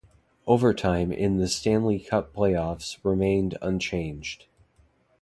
Overtime in the Stanley Cup playoffs remained unchanged.